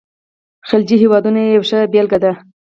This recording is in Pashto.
خلیجي هیوادونه یې یوه ښه بېلګه ده.